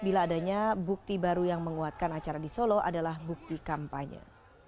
bila adanya bukti baru yang menguatkan acara di solo adalah bukti kampanye